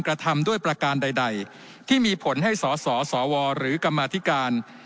กระทำด้วยประการใดที่มีผลให้สสวหรือกรรมธิการ